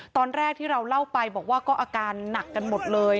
ตอนแรกที่เราเล่าไปบอกว่าก็อาการหนักกันหมดเลย